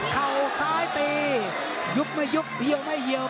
เข่าไข้ตียุบไม่ยุบเหี่ยวไม่เหยียว